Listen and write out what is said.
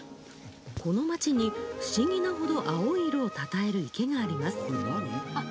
この町に不思議なほど青い色をたたえる池があります。